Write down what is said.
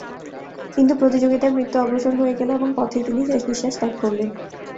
কিন্তু প্রতিযোগিতায় মৃত্যু অগ্রসর হয়ে গেল এবং পথেই তিনি শেষ নিঃশ্বাস ত্যাগ করলেন।